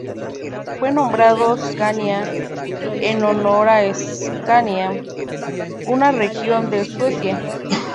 Fue nombrado "Scania" en honor a Escania, una región de Suecia.